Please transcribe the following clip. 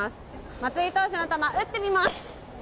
松井投手の球、打ってみます。